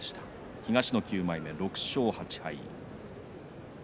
東の９枚目、６勝８敗。